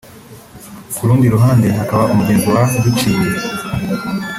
ku rundi ruhande hakaba umugezi wa Giciye